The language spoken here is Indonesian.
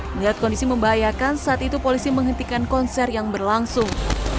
melihat kondisi membahayakan saat itu polisi menghentikan konser yang berlangsung